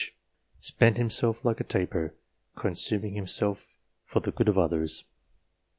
spent himself like a taper, consuming himself for the good of others."